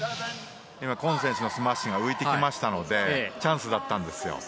コン選手のスマッシュが浮いてきましたのでチャンスだったんですよ。